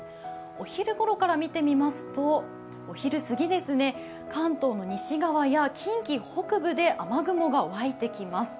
お昼ごろから見てみますとお昼過ぎですね、関東の西側や近畿北部で雨雲が湧いてきます。